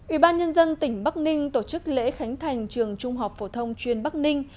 ủy ban nhân dân tỉnh bắc ninh tổ chức lễ khánh thành trường trung học phổ thông chuyên bắc ninh